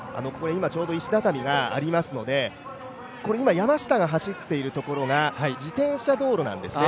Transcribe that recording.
石畳がありますので、今山下が走っているところが自転車道路なんですね。